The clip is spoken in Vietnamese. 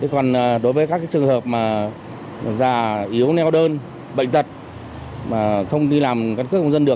còn đối với các trường hợp mà già yếu neo đơn bệnh tật mà không đi làm căn cước công dân được